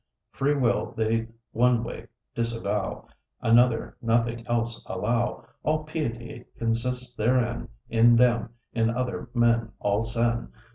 Free will they one way disavow, Another, nothing else allow. All piety consists therein In them, in other men all sin.